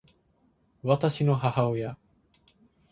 私の母親